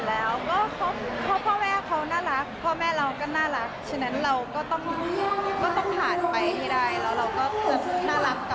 แล้วเราก็น่ารักกับทุกคน